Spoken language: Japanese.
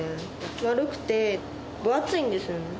丸くて分厚いんですよね。